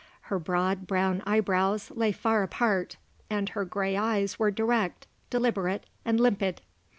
Her broad, brown eyebrows lay far apart and her grey eyes were direct, deliberate and limpid.